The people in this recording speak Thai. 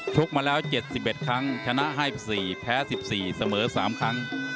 ชกมาแล้ว๗๑ครั้งชนะ๕๔ครั้งแพ้๑๔ครั้งเสมอ๓ครั้ง